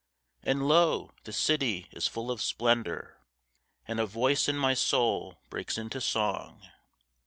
And lo! the City is full of splendour, And a voice in my soul breaks into song.